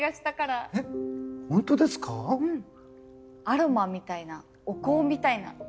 アロマみたいなお香みたいな。